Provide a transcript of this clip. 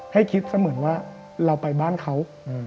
ให้คิดเสมือนว่าเราไปบ้านเขา